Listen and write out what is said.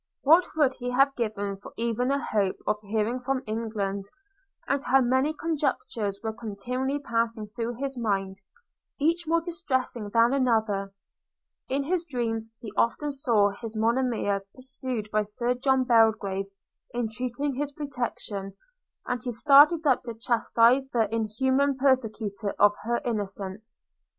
What would he have given for even a hope of hearing from England! and how many conjectures were continually passing through his mind, each more distressing than another! In his dreams, he often saw his Monimia pursued by Sir John Belgrave entreating his protection, and he started up to chastise the inhuman persecutor of her innocence.